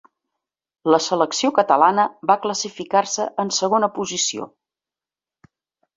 La selecció catalana va classificar-se en segona posició.